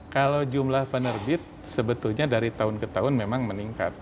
kalau jumlah penerbit sebetulnya dari tahun ke tahun memang meningkat